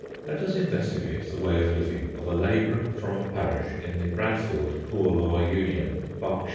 Let us investigate the way of living of a labourer from a parish in the Bradfield Poor Law Union, Berks.